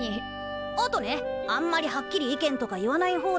あとねあんまりはっきり意見とか言わない方だし。